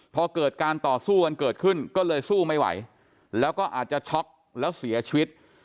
พอเกิดการต่อสู้กันเกิดขึ้นก็เลยสู้ไม่ไหวแล้วก็อาจจะช็อกแล้วเสียชีวิต